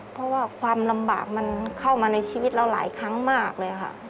เพราะว่าความลำบากมันเข้ามาในชีวิตเราหลายครั้งมากเลยค่ะ